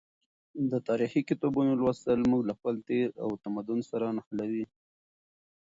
د تاریخي کتابونو لوستل موږ له خپل تیر او تمدن سره نښلوي.